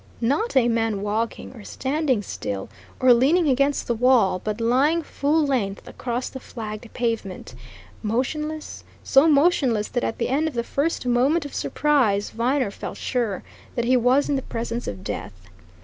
Not a man walking, or standing still, or leaning against the wall, but lying full length across the flagged pavement, motionless so motionless that at the end of the first moment of surprise, Viner felt sure that he was in the presence of death.